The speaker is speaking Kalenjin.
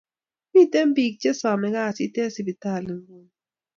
Miten pik che same kasit en sipitali nguni